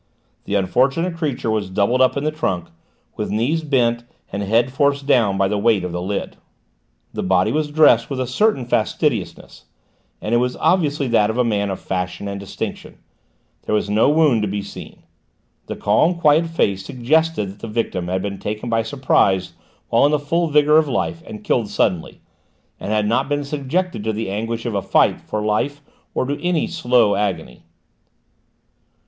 The unfortunate creature was doubled up in the trunk, with knees bent and head forced down by the weight of the lid. The body was dressed with a certain fastidiousness, and it was obviously that of a man of fashion and distinction; there was no wound to be seen. The calm, quiet face suggested that the victim had been taken by surprise while in the full vigour of life and killed suddenly, and had not been subjected to the anguish of a fight for life or to any slow agony.